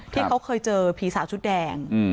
ที่เขาเคยเจอผีสาวชุดแดง